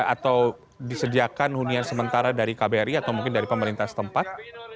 atau disediakan hunian sementara dari kbri atau mungkin dari pemerintah setempat